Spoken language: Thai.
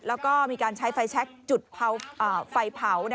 แล้วก็มีการใช้ไฟแชคจุดไฟเผา